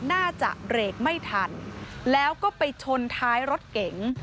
น่าจะเบรกไม่ทันแล้วก็ไปชนท้ายรถเก๋ง